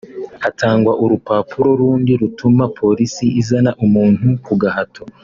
hatangwa urupapuro rundi rutuma Polisi izana umuntu ku gahato